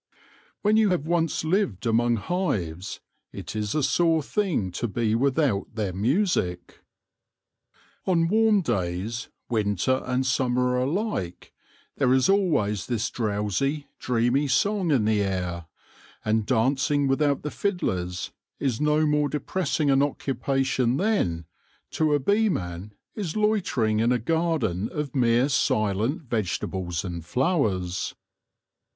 When you have once lived among hives it is a sore thing to be without their music. On warm days, winter and summer alike, there is always this drowsy, dreamy song in the air ; and dancing without the fiddlers is no more depressing an occupation than, 126 THE LORE OF THE HONEY BEE to a beeman, is loitering in a garden of mere 4ent vegetables and flowers.